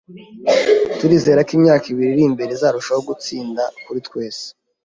Turizera ko imyaka ibiri iri imbere izarushaho gutsinda kuri twese.